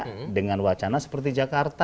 kita cari yang cina dengan wacana seperti jakarta